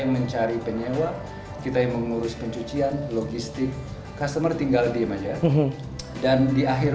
mencari penyewa kita yang mengurus pencucian logistik customer tinggal diem aja dan di akhir